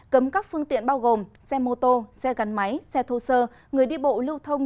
cấm các phương tiện bao gồm xe mô tô xe gắn máy xe thô sơ người đi bộ lưu thông